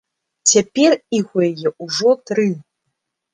Цяпер іх у яе ўжо тры!